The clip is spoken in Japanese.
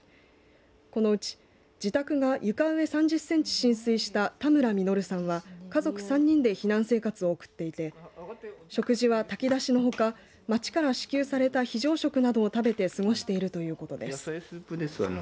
このうち自宅が床上３０センチ浸水した田村実さんは家族３人で避難生活を送っていて食事は炊き出しのほか町から支給された非常食などを食べて過ごしているということです。